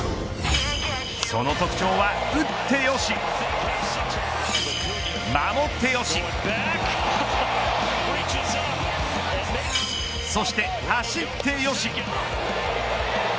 その特徴は打ってよし守ってよしそして、走ってよし。